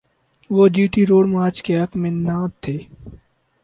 وہ G T road march کے حق میں نہ تھے۔